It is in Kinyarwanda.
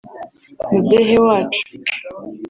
Muzehe wacu